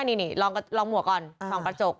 นี่ลองหมวกก่อนส่องกระจก